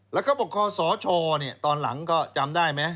แล้วเขาบอกคอสชตอนหลังก็จำได้ไหม